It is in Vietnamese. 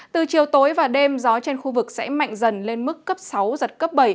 từ chiều tối và đêm gió trên khu vực sẽ mạnh dần lên mức cấp sáu giật cấp bảy